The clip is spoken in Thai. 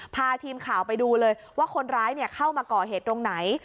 พาทีมข่าวไปดูเลยว่าคนร้ายเข้ามาก่อเหตุตรงไหน